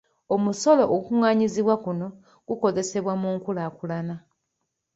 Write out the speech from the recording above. Omusolo ogukungaanyizibwa kuno gukozesebwa mu nkulaakulana.